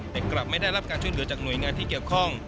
แต่กลับไม่ได้รับการช่วยเหลือจากหน่วยงานที่เกี่ยวข้อง